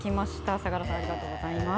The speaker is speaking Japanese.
佐良さん、ありがとうございます。